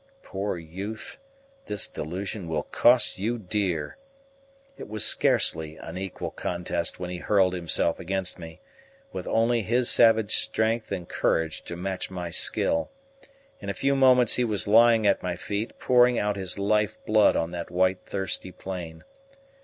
Poor youth, this delusion will cost you dear! It was scarcely an equal contest when he hurled himself against me, with only his savage strength and courage to match my skill; in a few moments he was lying at my feet, pouring out his life blood on that white thirsty plain.